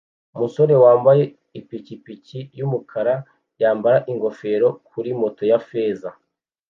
Umusore wambaye ipikipiki yumukara yambara ingofero kuri moto ya feza